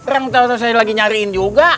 rangtau tau saya lagi nyariin juga